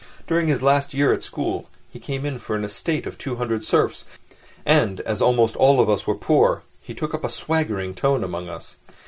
During his last year at school he came in for an estate of two hundred serfs, and as almost all of us were poor he took up a swaggering tone among us.